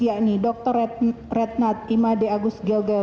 yakni dr red nat imade agus gilgil